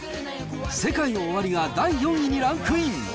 ＳＥＫＡＩＮＯＯＷＡＲＩが第４位にランクイン。